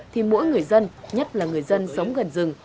thì mỗi người dân nhất là người dân sống gần rừng